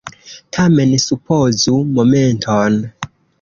Tamen supozu momenton.